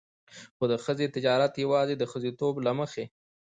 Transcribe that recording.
خو د ښځې تجارت يواځې د ښځېتوب له مخې.